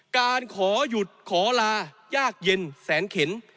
การขอหยุดขอลายากเย็นแสนเข็น